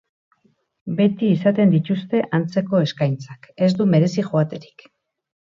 Beti izaten dituzte antzeko eskaintzak, ez du merezi joaterik.